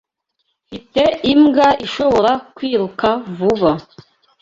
Mfite imbwa ishobora kwiruka vuba.